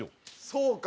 そうか。